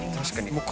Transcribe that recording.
確かに。